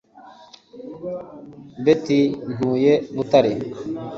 Betty Ntuye i Butare